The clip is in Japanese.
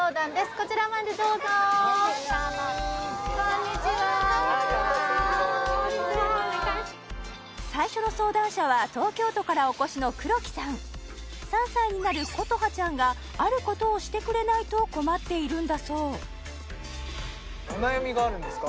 こちらまでどうぞこんにちは最初の相談者は東京都からお越しの黒木さん３歳になることはちゃんがあることをしてくれないと困っているんだそうお悩みがあるんですか？